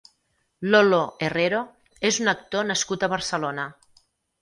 Lolo Herrero és un actor nascut a Barcelona.